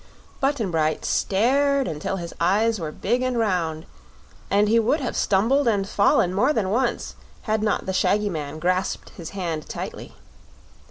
Button Bright stared until his eyes were big and round, and he would have stumbled and fallen more than once had not the shaggy man grasped his hand tightly.